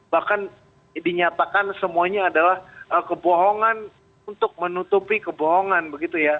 bahkan dinyatakan semuanya adalah kebohongan untuk menutupi kebohongan begitu ya